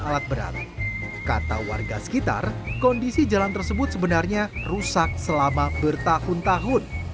alat berat kata warga sekitar kondisi jalan tersebut sebenarnya rusak selama bertahun tahun